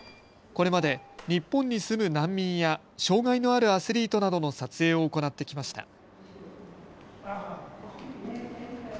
これまで日本に住む難民や障害のあるアスリートなどの撮影を行ってきました。